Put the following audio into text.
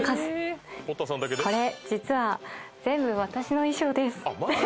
「これ実は全部私の衣装です」